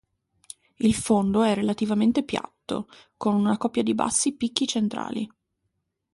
Il fondo è relativamente piatto, con una coppia di bassi picchi centrali.